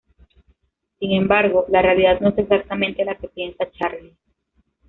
Sin embargo, la realidad no es exactamente la que piensa Charlie.